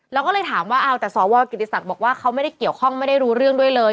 แล้วก็เลยถามว่าเอาแต่สวกิติศักดิ์บอกว่าเขาไม่ได้เกี่ยวข้องไม่ได้รู้เรื่องด้วยเลย